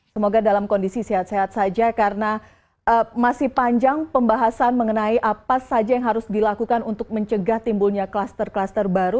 semoga dalam kondisi sehat sehat saja karena masih panjang pembahasan mengenai apa saja yang harus dilakukan untuk mencegah timbulnya kluster kluster baru